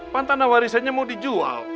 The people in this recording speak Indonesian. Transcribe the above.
pantanawarisanya mau dijual